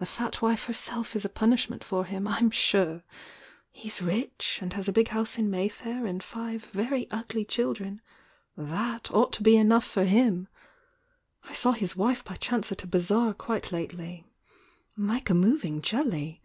The fat wife herself is a punishment for him, Tm sure! He s rich, and has a big house in Mayfair and five very ugly children,— t/iat ought to be enough for himl I saw his wife by chance at a bazaar quite lately—like a moving jelly